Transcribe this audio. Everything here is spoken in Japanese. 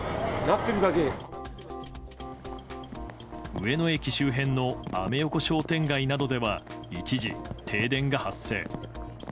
上野駅周辺のアメ横商店街などでは一時停電が発生。